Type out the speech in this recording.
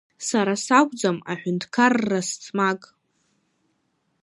Сара сакәӡам аҳәынҭқар Расмаг.